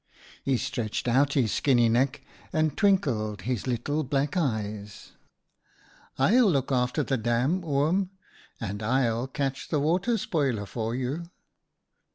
He stretched out his skinny neck and twinkled his little black eyes. «"/'ll look after the dam, Oom, and I'll catch the Water Spoiler for you.'